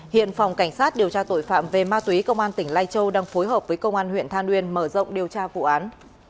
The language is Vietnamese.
hiện phòng cảnh sát điều tra tội phạm về ma túy công an tỉnh lai châu đang phối hợp với công an huyện than uyên mở rộng điều tra vụ án